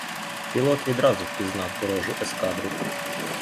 Пілот відразу впізнав ворожу ескадру.